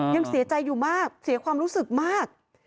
ยังเสียใจอยู่มากเสียความรู้สึกมาก